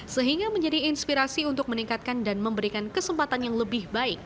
sehingga menjadi inspirasi untuk meningkatkan dan memberikan kesempatan yang lebih baik